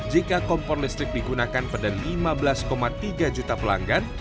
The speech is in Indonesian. jika kompor listrik digunakan pada lima belas tiga juta pelanggan